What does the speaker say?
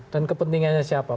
dan kepentingannya siapa